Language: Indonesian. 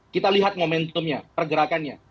kita lihat momentumnya pergerakannya